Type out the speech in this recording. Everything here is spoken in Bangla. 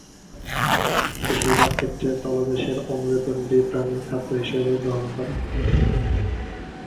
বেশিরভাগ ক্ষেত্রে তলদেশের অমেরুদণ্ডী প্রাণী খাদ্য হিসাবে গ্রহণ করে।